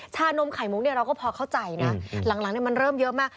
นมไข่มุกเนี่ยเราก็พอเข้าใจนะหลังมันเริ่มเยอะมาก